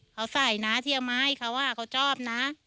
เขาใส่นะที่เอามาให้เขาว่าเขาชอบนะ